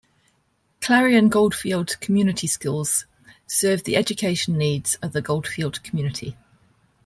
Clarion-Goldfield Community Schools serve the education needs of the Goldfield community.